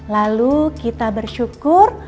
lalu kita bersyukur